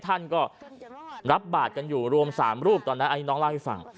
ท่านก็รับบาทกันอยู่รวม๓รูปตอนนั้นอันนี้น้องเล่าให้ฟัง